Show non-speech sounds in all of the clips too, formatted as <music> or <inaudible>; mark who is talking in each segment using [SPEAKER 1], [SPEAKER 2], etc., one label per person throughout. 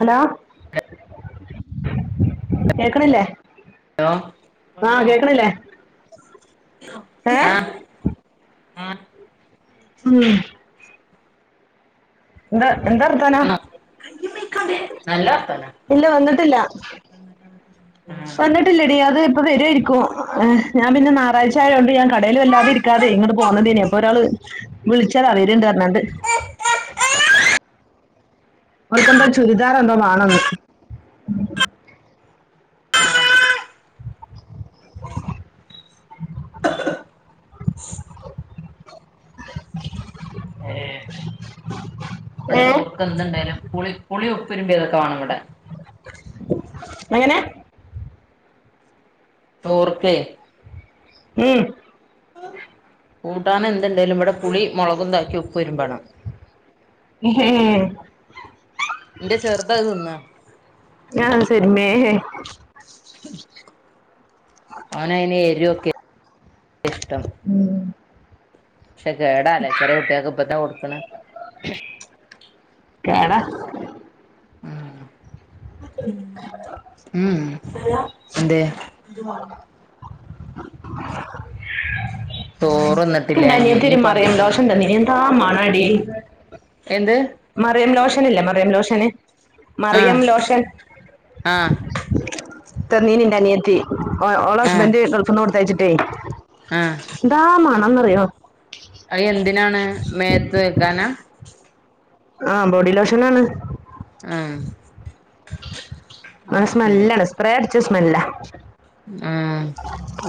[SPEAKER 1] Hello കേക്കണില്ലേ
[SPEAKER 2] hello
[SPEAKER 1] ആഹ്
[SPEAKER 2] വന്നോ
[SPEAKER 1] കേക്കണില്ലേ ഏ
[SPEAKER 2] ആ ആ
[SPEAKER 1] ഉം എന്താ എന്താർത്താനം
[SPEAKER 2] വന്നോ നല്ല വർത്താനം
[SPEAKER 1] ഇല്ല വന്നിട്ടില്ല വന്നിട്ടില്ലടി അത് ഇപ്പ വരുയിരിക്കും ഏ ഞാൻ പിന്ന നാറായ്ച്ചയൊണ്ട് ഞാൻ കടയില് വല്ലതെ ഇരിക്കാതെ ഇങ്ങട്ട് പോന്നതേനു അപ്പൊ ഒരാള് വിളിച്ചാലവരണ്ട് പറഞ്ഞാണ്ട് അവൾക്കെന്തോ ചുരിദാർ എന്തോ വേണന്ന്
[SPEAKER 2] ആ
[SPEAKER 1] <inaudible>
[SPEAKER 2] ഏഹ് ഇവിടെ
[SPEAKER 1] ഏ
[SPEAKER 2] ചോർക്കെന്ത്ണ്ടായാലും പുളി പുളി ഉപ്പിര്മ്പിയതൊക്കെ വേണം ഇവിടെ
[SPEAKER 1] എങ്ങനെ
[SPEAKER 2] തോറൊക്കേ
[SPEAKER 1] ഉം
[SPEAKER 2] കൂട്ടാന് എന്തുണ്ടേലും ഇവിടെ പുളി മുളകുംതാക്കി ഉപ്പിരുമ്പണം എന്റെ ചെറുതത് തിന്നാ
[SPEAKER 1] <unintelligible> ആ ശേരിമേ
[SPEAKER 2] ഓനയിന് എരുവോക്കെ ഇഷ്ടം ശേ കേടാലേ ചെറിയ കുട്ടിയാൾക്ക് എപ്പത കൊടുക്കണേ
[SPEAKER 1] കേടാ
[SPEAKER 2] ഉം ഉം എന്തെ ദുവാ പോ
[SPEAKER 1] പിന്നെല്ലേ ഇതൊരു മറിയം ലോഷണ്ടാന്നിലെ എന്താ മണടി
[SPEAKER 2] എന്ത്
[SPEAKER 1] മറിയം ലോഷനില്ലേ മറിയം ലോഷന്
[SPEAKER 2] ആഹ്
[SPEAKER 1] മറിയം ലോഷൻ
[SPEAKER 2] ആഹ്
[SPEAKER 1] തന്നീന്ന് ന്റെ അനിയത്തി ഓ ഓള
[SPEAKER 2] ആഹ്
[SPEAKER 1] ഹസ്ബന്റ് ഗൾഫുന്ന് കൊടുത്തയച്ചിട്ടേ എന്താ മണന്നറിയോ
[SPEAKER 2] അയി എന്തിനാണ് മേത്ത് വെക്കാനാ
[SPEAKER 1] ആ ബോഡി ലോഷനാണ്
[SPEAKER 2] ആ
[SPEAKER 1] ആ സ്മെല്ലാണ് സ്പ്രേ അടിച്ച സ്മെല്ലാ
[SPEAKER 2] ആ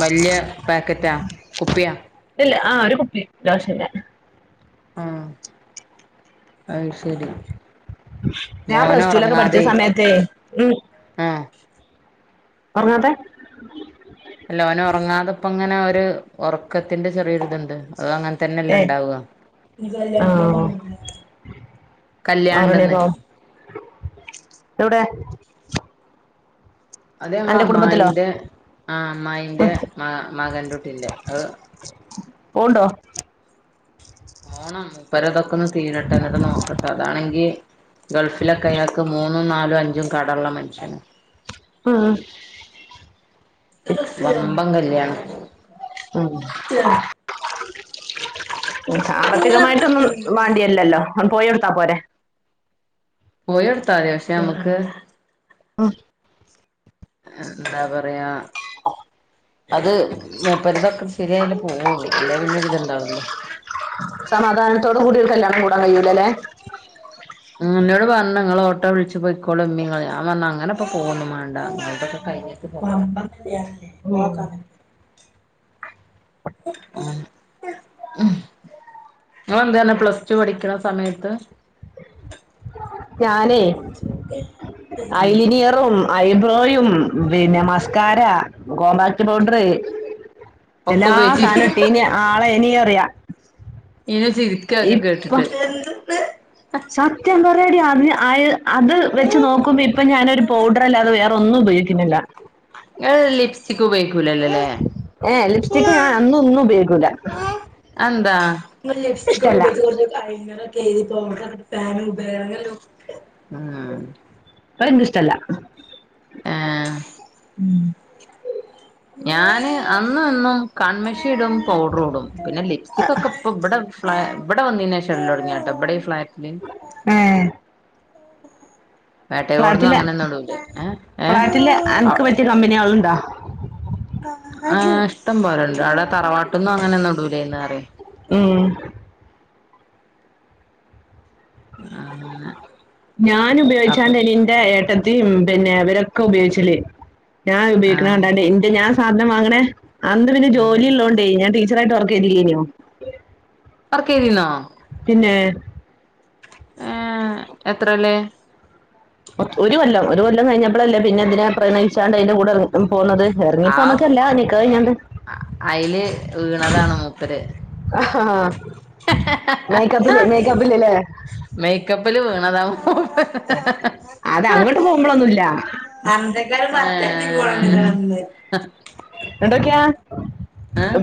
[SPEAKER 2] വല്ല്യ പേക്കറ്റാ കുപ്പിയാ
[SPEAKER 1] ആ ഒരു കുപ്പി ലോഷൻ
[SPEAKER 2] ആ അഹ് ശരി
[SPEAKER 1] ഞാൻ
[SPEAKER 2] മോന്
[SPEAKER 1] പ്ലസ് റ്റൂലൊക്കെ പഠിച്ച
[SPEAKER 2] ഒറങ്ങാതെ
[SPEAKER 1] സമയത്തെ ഉം
[SPEAKER 2] ആഹ്
[SPEAKER 1] ഒർങ്ങാതേ
[SPEAKER 2] ല്ലോനൊർങ്ങാതപ്പൊങ്ങനെ ഒരു ഒറക്കത്തിന്റെ ചെറിയൊരിതുണ്ട് അഹ് അങ്ങൻ
[SPEAKER 1] ഏ
[SPEAKER 2] തന്നെല്ലണ്ടാവ
[SPEAKER 1] ആ
[SPEAKER 2] കല്യാണ് ണ്ടന്ന്
[SPEAKER 1] ആറണിയൊക്കെ ആവും എവിടെ
[SPEAKER 2] അത്
[SPEAKER 1] അന്റെ കുടുംബത്തിലോ
[SPEAKER 2] ഞങ്ങളമ്മായിന്റെ ആ അമ്മായിന്റെ
[SPEAKER 1] ഉം
[SPEAKER 2] മ മകന്റുട്ടിന്റെ അത്
[SPEAKER 1] പോവ്ണ്ടോ
[SPEAKER 2] പോണം മൂപ്പരതൊ ക്കൊന്ന് തീരട്ടെ ന്നിട്ട് നോക്കട്ടെ അതാണെങ്കി ഗൾഫിലൊക്കെ അയാൾക്ക് മൂന്ന് ന്നും നാലും അഞ്ചും കടള്ള മനുഷ്യന
[SPEAKER 1] ഉം
[SPEAKER 2] വമ്പം കല്യാണ
[SPEAKER 1] ആ സാമ്പത്തികമായിട്ടൊന്നും വാണ്ടിയല്ലല്ലോ ഒ പോയൊടുത്താ പോരെ
[SPEAKER 2] പോയിയൊടുത്താ മതി പക്ഷെ നമ്മക്ക്
[SPEAKER 1] ആ
[SPEAKER 2] എന്താ പറയാ അത് മൂപ്പരതൊക്കെ ശരിയായാലേ പോവുള്ളു അല്ലേ പിന്നൊരുതുണ്ടാവുല്ല
[SPEAKER 1] സമാധാനത്തോടു കൂ കൂടാ കയ്യൂല്ല ല്ലെ
[SPEAKER 2] നിങ്ങള ഓട്ടോ വിളിച്ച് പൊയ്ക്കോളുംമ്മ ങ്ങളും അങ്ങനെപ്പോ പോകൊന്നും വാ <unintelligible> ആ ങ്ങളെന്താ പറഞ്ഞെ പ്ലസ് ടു പഠിക്കണ സമയത്ത്
[SPEAKER 1] ഞാനെ ഐലേനിയറും ഐബ്രോയും പിന്നെ മസ്കാര, കോമ്പാക്ട് പൗഡറ്
[SPEAKER 2] ഒക്കെ
[SPEAKER 1] എല്ലാ സാധനം
[SPEAKER 2] ഉപയോഗിച്ചിരുന്നോ
[SPEAKER 1] ഇട്ടീനി ആളെയ്നി പറിയ
[SPEAKER 2] സിനു ചിരിക്ക അതൊക്കെ കേട്ടിട്ട്
[SPEAKER 1] സത്യം പറയാടി അ അത് വെച്ച് നോക്കുമ്പോ ഇപ്പൊ ഞാനൊരു
[SPEAKER 2] എന്താണ്
[SPEAKER 1] പൗഡർ അല്ലാതെ വേറെ ഒന്നും ഉപയോഗിക്ക്ണ്ല്ല
[SPEAKER 2] ഇങ്ങള് ലിപ്സ്റ്റിക് ഉപയോഗിക്കൂലല്ലോല്ലേ
[SPEAKER 1] ഏ ലിപ്സ്റ്റിക് ഞാൻ അന്നും ഇന്നും ഉപയോഗി ല്ല
[SPEAKER 2] അതെന്താ <unintelligible> <unintelligible>
[SPEAKER 1] അത് ൻക്ക് ഇഷ്ടല്ല
[SPEAKER 2] ആ
[SPEAKER 1] ഉം
[SPEAKER 2] ഞാന് അന്നുംഇന്നും കൺമശി ഇടും പൗഡർ ഇടും പിന്നെ ലിപ്സ്റ്റികൊക്കെ ഇ ഇവിടെ <unintelligible> ഇവിടെ വന്നേനേഷം ഇട്ലൊടങ്ങിയതാ ട്ടോ ഇവിടെ ഫ്ളാറ്റ്
[SPEAKER 1] ഏ
[SPEAKER 2] വേട്ടയോടുന്നും അങ്ങനൊന്നും ഇടൂല്ല ഏ ഏ
[SPEAKER 1] ഫ്ലാറ്റില് എനിക്ക് പറ്റിയ കമ്പനികളുണ്ടോ
[SPEAKER 2] ആ ഇഷ്ടം പോലണ്ട് അവിടെ തറവാട്ട് ന്നും അങ്ങനൊന്നും ഇടൂലേന്നേറെം
[SPEAKER 1] ഉം
[SPEAKER 2] അങ്ങനെ
[SPEAKER 1] ഞാൻ
[SPEAKER 2] അപ്പൊ
[SPEAKER 1] ഉപയോഗിച്ചാണ്ട് ന്റെ ഏട്ടത്തീം പിന്നെ വരൊക്കെ ഉപയോഗിച്ചല് ഞാൻ ഉപയോഗിക്കണ
[SPEAKER 2] ആഹ്
[SPEAKER 1] കണ്ടണ്ട് ഇന്റെ ഞാൻ സാധന വാങ്ങണേ അന്ന് പിന്നെ
[SPEAKER 2] ആഹ്
[SPEAKER 1] ജോലി ഉള്ളോണ്ടേ ഞാൻ ടീ ച്ചറായിട്ട് വർക്ക്‌ ചെയ്തില്ലേയ്ന്നൊ
[SPEAKER 2] വർക്ക്‌ ചെയ്തിന്നോ
[SPEAKER 1] ഏ
[SPEAKER 2] ഏ എത്രേ ല്
[SPEAKER 1] ഒരു കൊല്ലം ഒരു കൊല്ലം കഴിഞ്ഞപ്പോഴല്ലേ പിന്നെ ഇതിനെ പ്രണയിച്ചാണ്ട് അതിന്റെ കൂടെ എറങ്ങി പോന്നത്
[SPEAKER 2] ആഹ്
[SPEAKER 1] എറങ്ങിപ്പോന്ന്ക്കല്ല നിക്കാഹ് കയ്ഞ്ക്കാണ്ട്
[SPEAKER 2] അയില് വീണതാണ് മൂപ്പര്
[SPEAKER 1] ആഹ് മേക്കപ്പില് മേക്കപ്പിലല്ലേ
[SPEAKER 2] മേക്കപ്പില് വീണതാ ഹ
[SPEAKER 1] അത്
[SPEAKER 2] ഹ
[SPEAKER 1] അങ്ങോട്ട് പോകുമ്പോളൊന്നുല്ല
[SPEAKER 2] ഹ <inaudible>
[SPEAKER 1] ണ്ടോക്ക്യ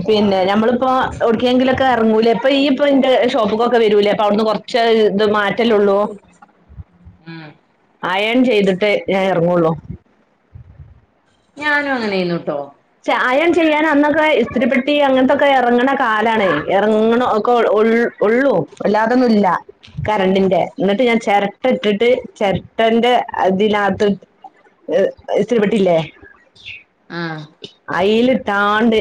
[SPEAKER 1] പിന്നെ ഞമ്മള് ഇപ്പൊ എവ്‌ട്ക്കെൻങ്കിലൊക്കെ എറങ്ങൂലേ അപ്പൊ ഈ ഇപ്പ ഇന്റെ ഷോപ്പ്ക്കൊക്കെ വരൂലേ അപ്പൊവട്ന്ന് കൊറച്ച് ഇത് മാ
[SPEAKER 2] ഉം ഉം
[SPEAKER 1] അയൺ ചെയ്തിട്ടേ ഞാൻ എർങ്ങൊള്ളൂ
[SPEAKER 2] ഞാനും അങ്ങനെയ്ന്നൂട്ടോ
[SPEAKER 1] പക്ഷെ അയൺ ചെയ്യാന് അന്നൊക്കെ ഇസ്തിരിപ്പെട്ടി അങ്ങൻത്തൊക്കെ എറങ്ങ്ണ കാലാണെ എർങ്ങണ ഒക്കെ ഒള് ഒള്ളൂ വല്ലാതൊന്നുല്ല കറണ്ടിന്റെ ന്ന്ട്ട് ഞാൻ ചെരട്ട ഇട്ടിട്ട് ചെരട്ടന്റെ അതിനകത്ത് ഹ് ഇസ്തിരിപെട്ടില്ലേ
[SPEAKER 2] ആഹ്
[SPEAKER 1] അയ്ല്ട്ടാണ്ട്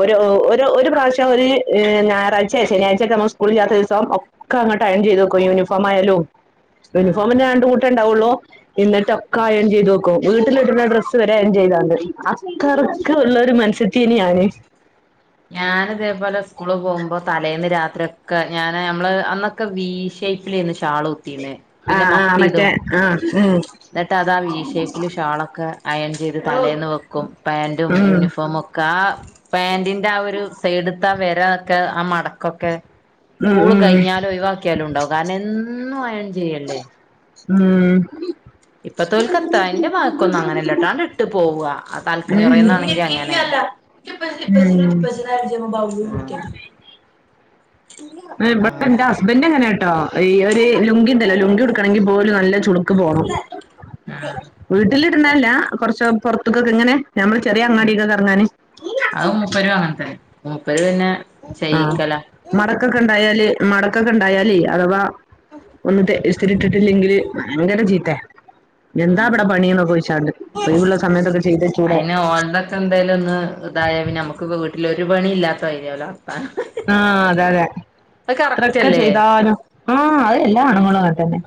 [SPEAKER 1] ഒരു ഒരു ഒരു പ്രാവശ്യം ഒരു ഞാറാഴ്ചെ ശനിയായ്ചെ ഇസ്കൂളില്ലാത്ത ഈസം ഒക്കെ അങ്ങട്ട് അയൺ ചെയ്തക്കും യൂണിഫോമായാലും
[SPEAKER 2] ആഹ്
[SPEAKER 1] യൂനിഫോമിന്റെ രണ്ട് കൂട്ടേ ണ്ടാവുള്ളൂ ന്ന്ട്ടൊക്കെ അയൺ ചെയ്തു വെക്ക് ക്കും വീട്ട്ല്ട്ണ ഡ്രസ്സ് വരേ അയൺ ചെയ്താണ്ട് അത്ര ക്കെ ഉള്ളൊരു മൻസത്തി അയ്നിം ഞാന്
[SPEAKER 2] ഞാന്തേപോലെ സ്കൂള് പോവുമ്പോ തലേന്ന് രാ ഇതൊക്കെ ഞാന് നമ്മള് അന്നൊക്കെ വി ഷേപ്പിലെയായിന് ഷാള് കുത്തീനെ പിന്നെ
[SPEAKER 1] ആഹ് ആഹ്
[SPEAKER 2] മഫ്തി
[SPEAKER 1] മറ്റേ
[SPEAKER 2] ഇടും
[SPEAKER 1] ആഹ് ഉം
[SPEAKER 2] എന്നിട്ട് അതാ വി ഷേപ്പില് ഷാളൊക്കെ അയൺ ചെയ്ത് തലേന്ന് വെക്കും പാന്റും
[SPEAKER 1] ഉം
[SPEAKER 2] യൂണിഫോമൊക്കെ ആ പാന്റി ന്റെ ആ ഒരു സൈഡിത്തെ ആ വരയൊക്കെ ആ മടക്കൊക്കെ
[SPEAKER 1] ഉം
[SPEAKER 2] സ്കൂള്
[SPEAKER 1] ഉം
[SPEAKER 2] കയ്ഞ്ഞാലും ഒയിവാക്കിയാലും ഉണ്ടാവും. കാരണം എന്നും അയൺ ചെയ്യല്ലേ
[SPEAKER 1] ഉം
[SPEAKER 2] ഇപ്പത്തോൽക്കെ എന്റെ മകക്കൊന്നും അങ്ങനെയില്ലേട്ടാ അവൻ വിട്ട് പോവാ
[SPEAKER 1] ഉം
[SPEAKER 2] <unintelligible> ആണെങ്കി അങ്ങനെ
[SPEAKER 1] ഉം
[SPEAKER 2] <unintelligible>
[SPEAKER 1] ഉം ഇവിടെ
[SPEAKER 2] അങ്ങനെ
[SPEAKER 1] എന്റെ ഹസ്ബൻഡ് അങ്ങനാട്ടോ ഈ ഒരു ലുങ്കിയുണ്ടല്ലോ ലുങ്കി ഉടുക്കണെങ്കിൽ പോലും നല്ലെ ചുളുക്ക് പോണം വീട്ടിലിടണ കൊറച്ച് പൊറത്തേക്കൊക്കെ ഇങ്ങനെ ഞമ്മടെ ചെറിയ അങ്ങാടിക്കൊന്ന് എറങ്ങാന്
[SPEAKER 2] അത് മൂപ്പരും അങ്ങനെ തന്നെ മൂപ്പര് പിന്നെ
[SPEAKER 1] ആഹ്
[SPEAKER 2] ചെയ്യിക്കല
[SPEAKER 1] മടക്കൊക്കെ ഉണ്ടായാല് മടക്കൊക്കെ ഉണ്ടായാല് അഥവാ ഒന്ന് ഇത് ഇസ്തിരി ഇട്ടിട്ടില്ലെങ്കില് ഭയങ്കര ചീത്തയാ
[SPEAKER 2] ആഹ്
[SPEAKER 1] ഒഴിവുള്ള സമയത്തൊക്കെ ചെയ്തേച്ചൂടെ
[SPEAKER 2] അയിന് ഓൽതൊക്കെ എന്തേലും ഒന്ന് ഇതാ ക്കിയാ പിന്നെ നമുക്കൊക്കെ വീട്ടില് ഒരു പണി ഇല്ലാത്ത <unintelligible>
[SPEAKER 1] ആഹ് അതെ അതെ
[SPEAKER 2] അത് കറക്റ്റ്
[SPEAKER 1] എത്രയൊക്കെ
[SPEAKER 2] അല്ലേ
[SPEAKER 1] ചെയ്താലും ആ അതെ എല്ലാ ആണുങ്ങളും അങ്ങനെ തന്നെ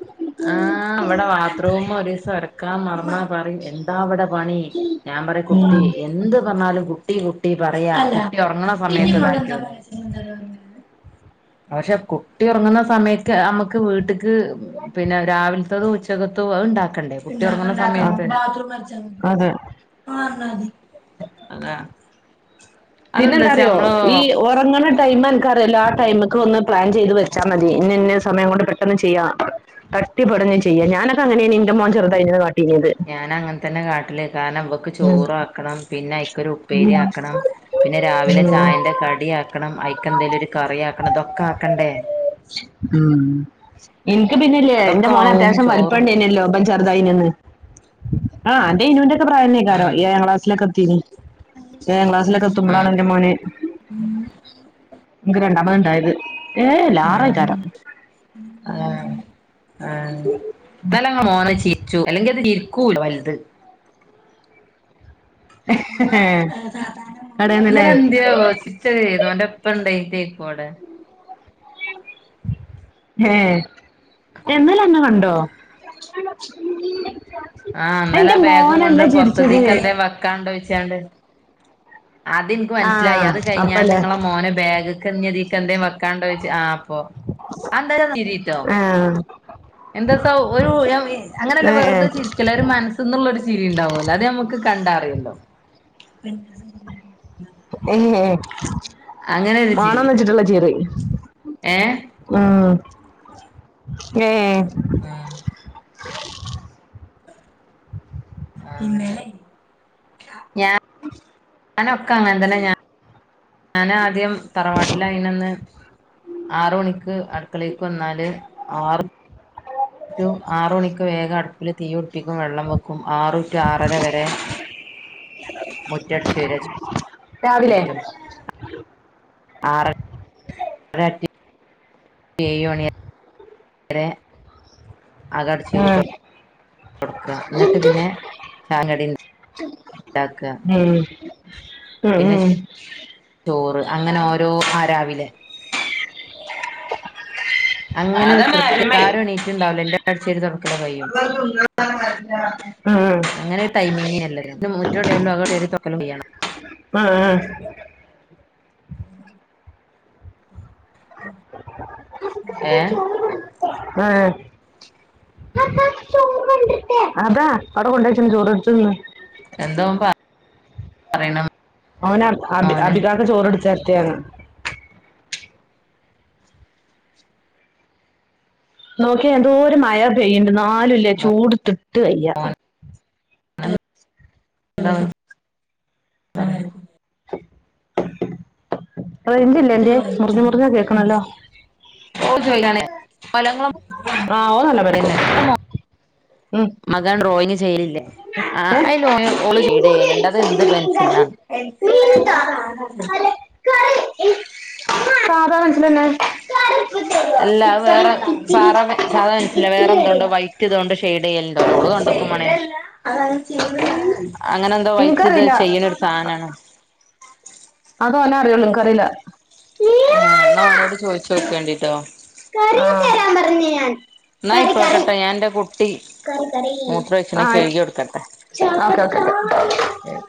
[SPEAKER 2] ആഹ് ഇവടെ ബാത്റൂമ് ഒരീസം അടക്കാൻ മറന്നാ പറയും എന്താ അവിടെ പണി ഞാൻ പറയും കുട്ടി
[SPEAKER 1] ഉം
[SPEAKER 2] എന്ത് പറഞ്ഞാലും കുട്ടി കുട്ടി പറയാ കുട്ടി ഒറങ്ങണ സമയത്ത്
[SPEAKER 1] ഉം
[SPEAKER 2] ഉണ്ടാക്കിക്കൂടെ പക്ഷെ കുട്ടി ഒറങ്ങുന്ന സമയത്ത് നമ്മുക്ക് വീട്ടക്ക് പിന്നെ രാവിലത്തേതും ഉച്ചക്കത്തേതും അതുണ്ടാക്കണ്ടേ കുട്ടി ഒറങ്ങണ
[SPEAKER 1] ആ
[SPEAKER 2] സമയത്ത്
[SPEAKER 1] അതെ
[SPEAKER 2] ആ അഹ് അതാ അതെന്താച്ചാ
[SPEAKER 1] പിന്നെന്താറിയോ
[SPEAKER 2] നമ്മള്
[SPEAKER 1] ഈ ഒറങ്ങ്ണ ടൈമ ക്കഅറില്ലോ ആഹ് ടൈമ്ക് ഒന്ന് പ്ലാൻ ചെയ്ത് വെച്ചാമതി. ഇന്ന്ഇന്നെ സമയം കൊണ്ട് പെട്ടെന്ന് ചെയ്യാ തട്ടിപ്പടഞ്ഞ് ചെയ്യ. ഞാനൊക്കെ അങ്ങനെയ്ന് ഇന്റെ മോൻ ചെർതായന്ന് കാ
[SPEAKER 2] ഞാനഅങ്ങൻത്തന്നെ കാട്ടല് കാരണം അവക്ക്
[SPEAKER 1] ഉം
[SPEAKER 2] ചോറാക്കണം. പിന്നെ അയ്ക്കൊരു ഉപ്പേരി ആക്കണം. പിന്നെ രാവിലെ
[SPEAKER 1] ഉം
[SPEAKER 2] ചായന്റെ കടി യാകണം. അയ്ക്കന്തേലും ഒരു കറി ആക്കണം. ഇതൊക്കെ ആക്കണ്ടേ
[SPEAKER 1] ഉം ഇൻക്ക് പിന്നെല്ലേ എന്റെ
[SPEAKER 2] അതൊക്കെ
[SPEAKER 1] മോന
[SPEAKER 2] ആവും
[SPEAKER 1] അത്യാവശ്യം
[SPEAKER 2] ചോറും
[SPEAKER 1] വലുപ്പംണ്ട്നല്ലോ ബൻ ചർതായിനന്ന് ആ അന്റെ ഇനൂന്റെ ഒക്കെ പ്രായം ക്കാരം.
[SPEAKER 2] ഉം
[SPEAKER 1] ഏഴാം ക്ലാസ്സിലൊക്കെ എത്തിക്ക്ണ്. ഏഴാം ക്ലാസ്സിലൊക്കെ എത്തുമ്പോളാണ്
[SPEAKER 2] ഉം
[SPEAKER 1] ഇന്റെ മോന് ൻക്ക് രണ്ടാമത്ണ്ടായത്
[SPEAKER 2] ആ ആ ആ ന്നലെങ്ങളെ മോന് ചിര്ച്ചു അല്ലെങ്കി അത് ചിരിക്കൂല വൽത്
[SPEAKER 1] കടയെന്നല്ലേ
[SPEAKER 2] ഇന്നലെ എന്ത്യാവാേ ചിര്ച്ചക്കെയ്ത് ഓന്റെ പ്പണ്ടേ ക്കോടെ
[SPEAKER 1] ഹേ ഏ ഇന്നലന്നെ കണ്ടോ
[SPEAKER 2] ആ ഇന്നലെ
[SPEAKER 1] എന്റെ
[SPEAKER 2] ആ ബാഗും കൊണ്ട്
[SPEAKER 1] മോനല്ല ചിരിച്ചത്
[SPEAKER 2] പൊറത്ത്ത്തീക്കെന്തേ വെക്കാണ്ടോയ്ച്ചാണ്ട് അതിൻക്ക് മൻസ്സിലായി
[SPEAKER 1] ആഹ്
[SPEAKER 2] അത് കഴിഞ്ഞാണ്ട്
[SPEAKER 1] അപ്പല്ലേ
[SPEAKER 2] ങ്ങളെ മോന് ബാഗ്ക്ക് ഞ്ഞ്തിക്കെന്തേം വെക്കാണ്ടോയ്ച്ച് ആ പ്പോ അന്തര തിരിട്ടോ
[SPEAKER 1] ആഹ്
[SPEAKER 2] എന്താ സൗ ഒരു അങ്ങനെല്ല വെർതെ ചിരിക്കല്ല ഒരു മനസ്ന്ന്ള്ളാെരു ചിരിണ്ടാവാെല്ലോ അത് ഞമക്ക് കണ്ട അറിയല്ലോ
[SPEAKER 1] എ ഹേ
[SPEAKER 2] അങ്ങനെ ഒരു ചിരി
[SPEAKER 1] മാണെന്നെച്ചിട്ട്ള്ള ചിറി
[SPEAKER 2] ഏഹ്
[SPEAKER 1] ഉം ഏ <inaudible>
[SPEAKER 2] പിന്നെ ഞ
[SPEAKER 1] ഉ
[SPEAKER 2] ഞാനൊക്ക അങ്ങൻ തന്നെ ഞാ ഞാനാദ്യം തറവാട്ടിലായ്നന്ന് ആറ്മണിക്ക് അട്ക്കളേക്ക് വന്നാല് ആറ് ഒരു ആറ് മണിക്ക് വേഗം അട്പ്പ്ല് തീയു ട്പ്പിക്കും വെള്ളം വെക്കും ആറ് റ്റു ആറര വരെ മുറ്റട്ച്ചേര ച്
[SPEAKER 1] രാവിലെ
[SPEAKER 2] ചുറ്റും ആറ ര <unintelligible> ഏഴ്മണി രെ അകട്ച്ചേരി തൊ
[SPEAKER 1] ഉം
[SPEAKER 2] തൊട്ക്ക
[SPEAKER 1] ഉം
[SPEAKER 2] ന്നട്ട് പിന്നെ ചായിം കടിം ണ്ടാക്ക
[SPEAKER 1] ഉം ഉം ഉം
[SPEAKER 2] ചോറ് അങ്ങനെ ഓരോ ആ രാവിലെ അങ്ങനെ ഒരു കൃത്യ ആരും എണീറ്റ്ട്ട്ണ്ടാവൂല ഇന്റെ അട്ച്ചിരി തൊട്ക്കല് കയ്യും
[SPEAKER 1] ഉം
[SPEAKER 2] അങ്ങനെ ടൈമിങ്ങിനെല്ലതും ത് മുറ്റം <unintelligible> യ്യണം
[SPEAKER 1] <inaudible>
[SPEAKER 2] അ
[SPEAKER 1] ആ അതാ അവ്ടെ കൊണ്ടച്ച്ണ് ചോറ് ട്ത്ത് തിന്ന്
[SPEAKER 2] എന്താ ഓൻ പ പറീണ്
[SPEAKER 1] അവന് അ അബി അബികാക്ക ചോറ്ട്ത്ത് തരട്ടേന്ന് നോക്ക്യ എന്തോര് മഴ പെയ്യ്ണ്ട് ന്നാലുല്ലെ ചൂട്ത്ത്ട്ട് വെയ്യ
[SPEAKER 2] അ ആ അ
[SPEAKER 1] <inaudible> റെയ്ഞ്ചല്ലെ അന്റേ
[SPEAKER 2] ഇതൊരു വൈറ്റ്
[SPEAKER 1] മുർഞ്ഞ് മുർഞ്ഞാ
[SPEAKER 2] ബാലൻസ്
[SPEAKER 1] കേക്ക്ണല്ലോ
[SPEAKER 2] ഇല്ലാണ്ടാവില്ല ഫലങ്ങളും
[SPEAKER 1] നല്ല പേർക്കോ
[SPEAKER 2] <unintelligible>
[SPEAKER 1] ഉം
[SPEAKER 2] മകൻ ഡ്റോയിങ്ങ് ആ ആ
[SPEAKER 1] ഏ
[SPEAKER 2] അയ്ലോ ഓള്
[SPEAKER 1] ഇത്തിരിയും കൂടി
[SPEAKER 2] ചീടെയ്യല്ണ്ട് അത് എന്ത്
[SPEAKER 1] ഒഴിച്ചിരുന്നു
[SPEAKER 2] പെൻസിലാ
[SPEAKER 1] മീൻകറി മീനിതാ
[SPEAKER 2] പെൻസിലല്ല <unintelligible> <inaudible>
[SPEAKER 1] അല്ല കറി ഉം, സാധാ പെൻസിലന്നെ
[SPEAKER 2] അല്ല അത് വേറെ
[SPEAKER 1] ഇത്തിരി
[SPEAKER 2] സാറാ സാധാ പെൻസ്സിലാ
[SPEAKER 1] ഇത്തിരി
[SPEAKER 2] വേറെന്തോണ്ടാേ
[SPEAKER 1] കറിയോ
[SPEAKER 2] വൈറ്റ് തോണ്ട് ഷെയ്ഡ് ചെയ്യൽ ണ്ടാവൂല ഓള് കണ്ട്ക്കും മാണേ
[SPEAKER 1] ഉം.
[SPEAKER 2] അങ്ങനെ എന്തോ വൈറ്റ്ത്
[SPEAKER 1] എനിക്കറിയില്ല
[SPEAKER 2] ചെയ്യ്ണാെരു സാധനാണ്
[SPEAKER 1] അത് ഓനെ അറിയൊള്ളൂ ൻകറീല
[SPEAKER 2] ഏ എന്നാ ഓനോട് ചോയ്ച്ചാേക്കിയോണ്ടിട്ടോ
[SPEAKER 1] കാര്യം തരാൻ പറഞ്ഞ് ഞാൻ കറി കറി
[SPEAKER 2] എന്നായിക്കോട്ടെട്ടെ ഞാ എൻന്റെ കുട്ടി മൂത്രൊഴിച്ച്ണ്
[SPEAKER 1] ആഹ്
[SPEAKER 2] കഴുകി കൊടുക്കട്ടെ
[SPEAKER 1] ഒക്കെ ഒക്കെ
[SPEAKER 2] ശരി